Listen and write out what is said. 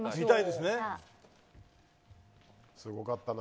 すごかったな。